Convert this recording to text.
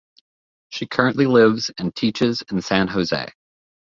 She currently lives and teaches in San Jose.